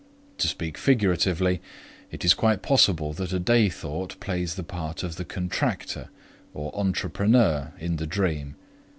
To speak figuratively, it is quite possible that a day thought plays the part of the contractor (entrepreneur) in the dream.